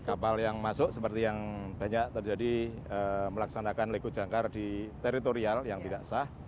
kapal yang masuk seperti yang banyak terjadi melaksanakan lego jangkar di teritorial yang tidak sah